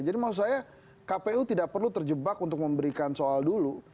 jadi maksud saya kpu tidak perlu terjebak untuk memberikan soal dulu